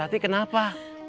pak tati kenapa